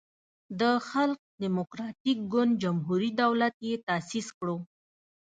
د خلق دیموکراتیک ګوند جمهوری دولت یی تاسیس کړو.